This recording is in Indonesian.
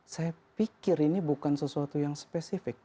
saya pikir ini bukan sesuatu yang spesifik